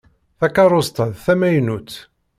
Takeṛṛust-a d tamaynutt.